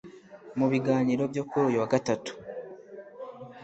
Mu biganiro byo kuri uyu wa Gatatu